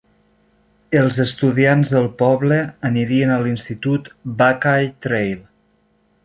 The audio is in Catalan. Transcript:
Els estudiants del poble anirien a l'institut Buckeye Trail.